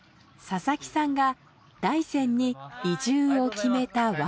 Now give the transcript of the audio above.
佐々木さんが大山に移住を決めたわけは？